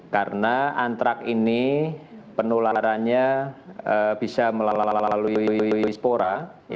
karena antrak ini penularannya bisa melalui spora